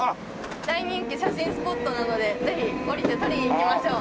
大人気写真スポットなのでぜひ降りて撮りに行きましょう。